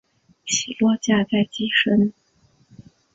起落架在机身。